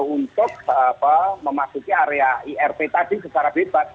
untuk memasuki area irp tadi secara bebas